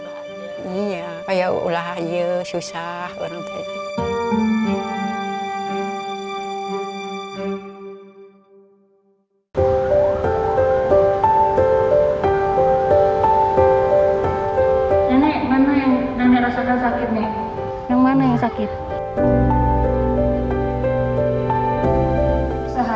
permisi salamualaikum aba ma gimana abah udah enakan apa masih ngilu masih kerasa sakit apa